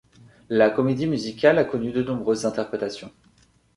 La comédie musicale a connu de nombreuses interprétations.